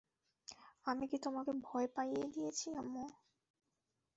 আমি কি তোমাকে ভয় পাইয়ে দিয়েছি, আম্মু?